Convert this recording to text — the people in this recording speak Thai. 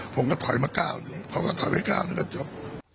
ผมก็ถอยมาก้าวหนึ่งเขาก็ถอยไม่ก้าวมันก็จบ